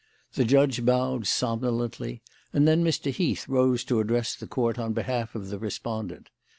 The judge bowed somnolently, and then Mr. Heath rose to address the Court on behalf of the respondent.